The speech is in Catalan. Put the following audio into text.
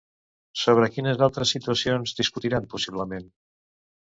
Sobre quines altres situacions discutiran, possiblement?